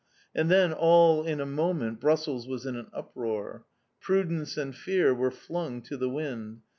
And then, all in a moment, Brussels was in an uproar. Prudence and fear were flung to the wind.